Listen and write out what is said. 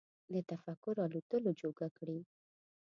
د تفکر الوتلو جوګه کړي